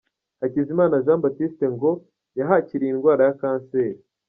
Hakizimana Jean Baptiste ngo yahakiriye indwara ya kanseri.